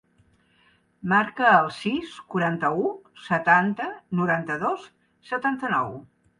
Marca el sis, quaranta-u, setanta, noranta-dos, setanta-nou.